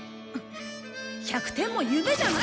１００点も夢じゃない！